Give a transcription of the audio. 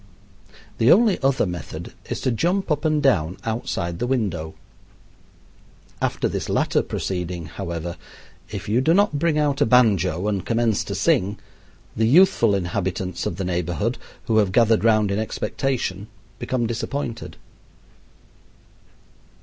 The only other method is to jump up and down outside the window. After this latter proceeding, however, if you do not bring out a banjo and commence to sing, the youthful inhabitants of the neighborhood, who have gathered round in expectation, become disappointed.